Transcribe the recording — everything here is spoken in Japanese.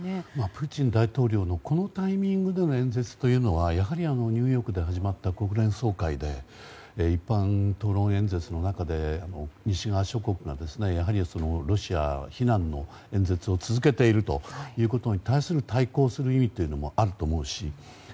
プーチン大統領のこのタイミングでの演説というのはやはりニューヨークで始まった国連総会の一般討論演説の中で西側諸国がロシア非難の演説を続けているということに対抗する意義というのもあると思うし。